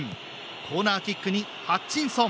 コーナーキックにハッチンソン！